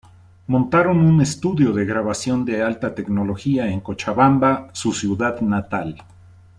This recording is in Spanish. Montaron un estudio de grabación de alta tecnología en Cochabamba, su ciudad natal.